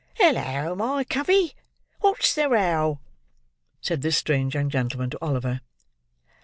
"Hullo, my covey! What's the row?" said this strange young gentleman to Oliver.